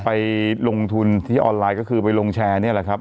ไปลงทุนที่ออนไลน์ก็คือไปลงแชร์นี่แหละครับ